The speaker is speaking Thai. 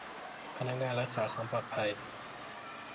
พนักงานรักษาความปลอดภัย